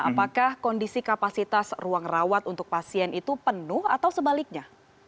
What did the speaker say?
apakah kondisi kapasitas ruang rawat untuk pasien itu penuh atau sebaliknya